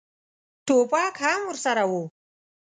ټوپک هم ورسره و.